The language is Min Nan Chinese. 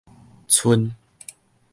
賰